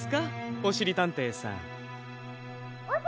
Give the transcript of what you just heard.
・おしりたんていさん！